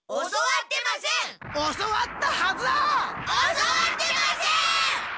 教わってません！